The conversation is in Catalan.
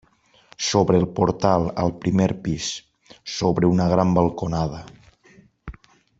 Sobre el portal, al primer pis, s'obre una gran balconada.